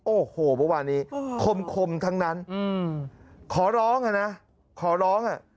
โอ้โหประมาณนี้คมทั้งนั้นขอร้องนะขอร้อง